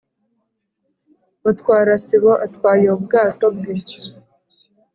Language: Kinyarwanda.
mutwarasibo atwaye ubwato bwe